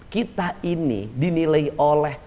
kita ini dinilai oleh